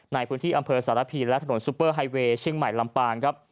ในพื้นที่อัมพธรรมีและถนนซุปเปอร์ไฮเวกม์ใหม่ลำปาน